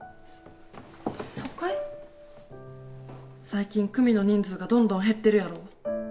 最近組の人数がどんどん減ってるやろ？